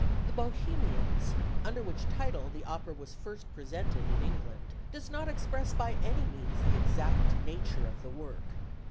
The Bohemians, under which title the opera was first presented in England, does not express by any means the exact nature of the work.